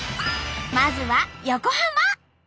まずは横浜。